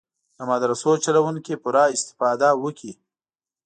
د مدرسو چلوونکي پوره استفاده وکړي.